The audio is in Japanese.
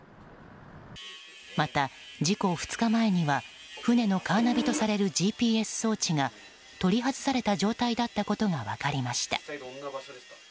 また、事故の２日前には船のカーナビとされるＧＰＳ装置が取り外された状態だったことが分かりました。